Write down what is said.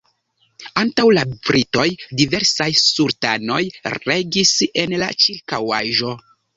Antaŭ la britoj diversaj sultanoj regis en la ĉirkaŭaĵo.